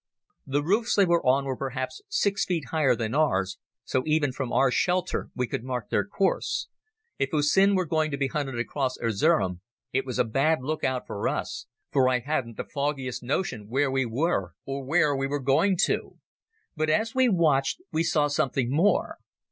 The roofs they were on were perhaps six feet higher than ours, so even from our shelter we could mark their course. If Hussin were going to be hunted across Erzerum it was a bad look out for us, for I hadn't the foggiest notion where we were or where we were going to. But as we watched we saw something more.